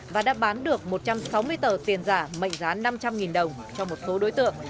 và đã bán được một trăm sáu mươi tờ tiền giả mệnh giá năm trăm linh đồng cho một số đối tượng